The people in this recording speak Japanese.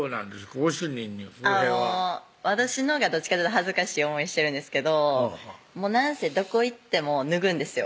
ご主人に不平は私のほうがどっちかというと恥ずかしい思いしてるんですけどなんせどこ行っても脱ぐんですよ